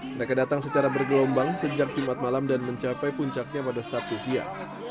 mereka datang secara bergelombang sejak jumat malam dan mencapai puncaknya pada sabtu siang